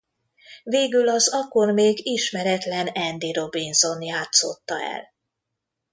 Végül az akkor még ismeretlen Andy Robinson játszotta el.